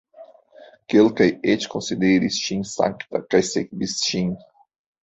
Kelkaj eĉ konsideris ŝin sankta kaj sekvis ŝin.